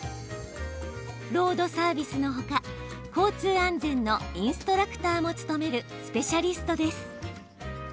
ロードサービスのほか交通安全のインストラクターも務めるスペシャリストです。